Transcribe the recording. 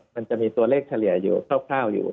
มันจะมีตัวเลขเฉลี่ยอยู่คร่าวอยู่